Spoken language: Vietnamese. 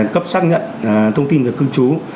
cấp xác nhận thông tin về cư trú